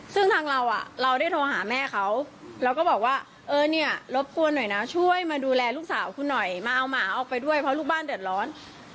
ซึ่งทางเราเราได้โทรหาแม่เขาแล้วก็บอกว่าเออเนี่ยรบกวนหน่อยนะช่วยมาดูแลลูกสาวคุณหน่อยมาเอาหมาออกไปด้วยเพราะลูกบ้านเดือดร้อน